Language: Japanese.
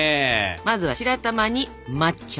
まずは白玉に抹茶。